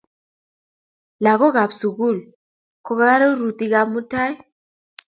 Lakokap sukul ko techikap karuotitoikap mutai